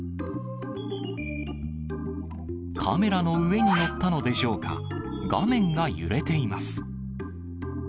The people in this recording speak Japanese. カメラの上に乗ったのでしょうか、画面が揺れています。